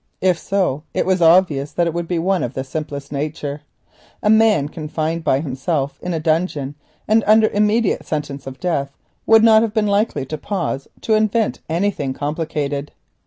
If so it was obvious that it would be one of the simplest nature. A man confined by himself in a dungeon and under sentence of immediate death would not have been likely to pause to invent anything complicated.